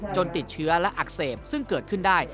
ติดเชื้อและอักเสบซึ่งเกิดขึ้นได้